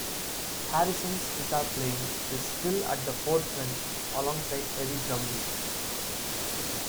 Harrison's sitar playing is still at the forefront, alongside heavy drumbeats.